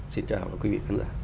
xin chào quý vị khán giả